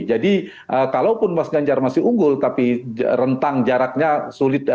jadi kalaupun mas ganjar masih unggul tapi rentang jaraknya sulit